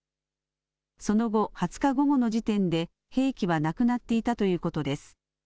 その後、２０日午後の時点で併記はなくなっていたということです。